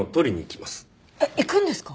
えっ行くんですか？